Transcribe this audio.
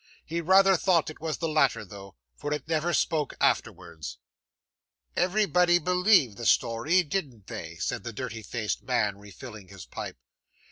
He rather thought it was the latter, though, for it never spoke afterwards.' 'Everybody believed the story, didn't they?' said the dirty faced man, refilling his pipe.